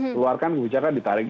keluarkan kebijakan ditarik